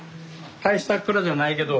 大した蔵じゃないけど。